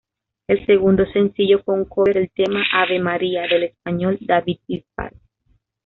El segundo sencillo fue un cover del tema "Ave María" del español David Bisbal.